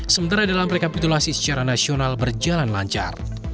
sementara dalam rekapitulasi secara nasional berjalan lancar